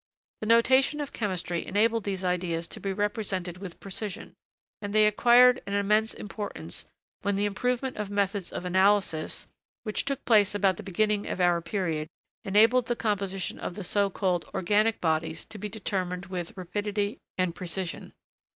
The notation of chemistry enabled these ideas to be represented with precision; and they acquired an immense importance, when the improvement of methods of analysis, which took place about the beginning of our period, enabled the composition of the so called 'organic' bodies to be determined with, rapidity and precision.